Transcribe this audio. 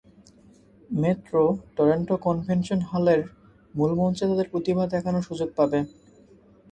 Metro Toronto Convention হলের মূলমঞ্চে তারা তাদের প্রতিভা দেখানোর সুযোগ পাবে।